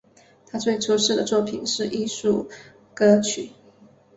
他最出色的作品是艺术歌曲。